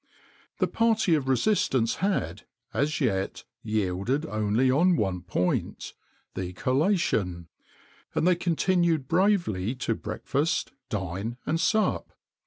[XXIX 29] The party of resistance had, as yet, yielded only on one point the collation; and they continued bravely to breakfast, dine, and sup.